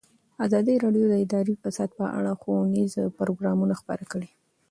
ازادي راډیو د اداري فساد په اړه ښوونیز پروګرامونه خپاره کړي.